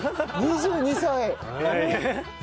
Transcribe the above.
２２歳。